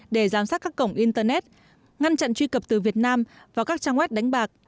để giám sát các cổng internet ngăn chặn truy cập từ việt nam vào các trang web đánh bạc